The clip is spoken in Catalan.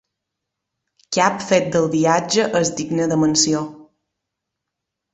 Cap fet del viatge és digne de menció.